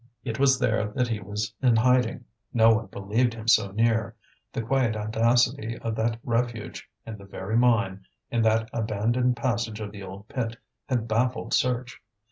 It was there that he was in hiding; no one believed him so near; the quiet audacity of that refuge, in the very mine, in that abandoned passage of the old pit, had baffled search.